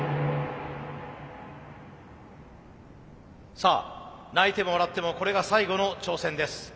さあ泣いても笑ってもこれが最後の挑戦です。